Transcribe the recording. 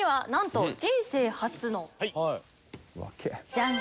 ジャン！